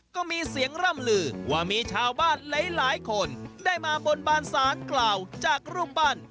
ก็มีเสียงร่ำลือว่ามีชาวบ้านหลายคนได้มาบนบานสารกล่าวจากรูปปั้น